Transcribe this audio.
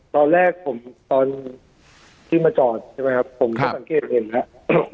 ตอนแรกผมตอนที่มาจอดใช่ไหมครับผมก็สังเกตเห็นแล้ว